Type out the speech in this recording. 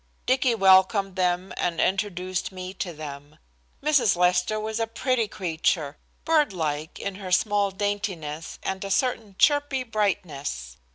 Dicky welcomed them and introduced me to them. Mrs. Lester was a pretty creature, birdlike, in her small daintiness, and a certain chirpy brightness.